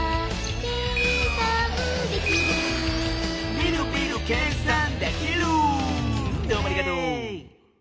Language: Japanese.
「みるみる計算できる」どうもありがとう。